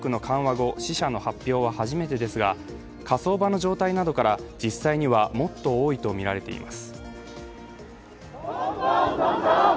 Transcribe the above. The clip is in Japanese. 後死者の発表は初めてですが火葬場の状態などから実際にはもっと多いとみられています。